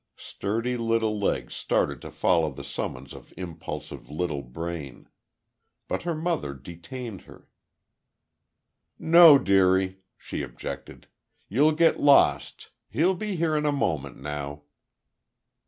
Sturdy little legs started to follow the summons of impulsive little brain. But her mother detained her. "No, dearie," she objected. "You'll get lost He'll be here in a moment, now."